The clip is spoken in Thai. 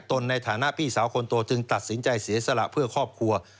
ในฐานะพี่สาวคนโตจึงตัดสินใจเสียสละเพื่อครอบครัว